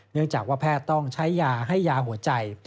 เนื่องจากว่าแพทย์ต้องใช้ยาให้ยาหัวใจ